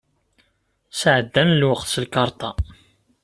Sɛeddan lweqt s lkarṭa.